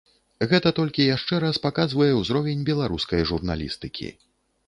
Гэта толькі яшчэ раз паказвае ўзровень беларускай журналістыкі.